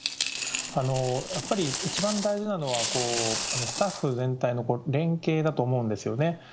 やっぱり一番大事なのは、スタッフ全体の連携だと思うんですよね。